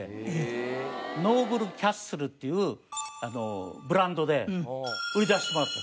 ノーブル・キャッスルっていうブランドで売り出してもらった。